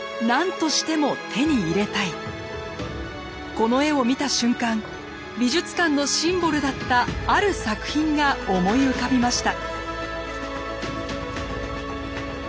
この絵を見た瞬間美術館のシンボルだったある作品が思い浮かびました。